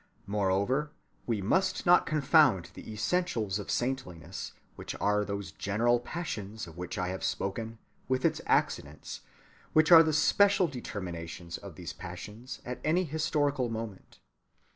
Moreover, we must not confound the essentials of saintliness, which are those general passions of which I have spoken, with its accidents, which are the special determinations of these passions at any historical moment.